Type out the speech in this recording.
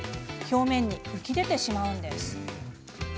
表面に浮き出てしまうのです。